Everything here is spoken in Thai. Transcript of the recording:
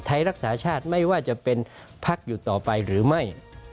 ไทยรักษาชาติไม่ว่าจะเป็นพักอยู่ต่อไปหรือไม่